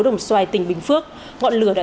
đồng xoài tỉnh bình phước ngọn lửa đã